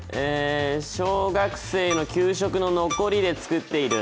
小学生の給食の残りで作っている？